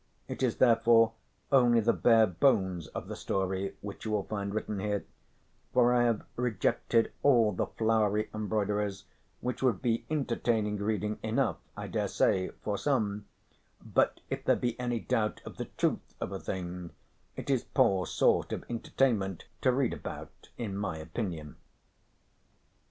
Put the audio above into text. It is therefore only the bare bones of the story which you will find written here, for I have rejected all the flowery embroideries which would be entertaining reading enough, I daresay, for some, but if there be any doubt of the truth of a thing it is poor sort of entertainment to read about in my opinion.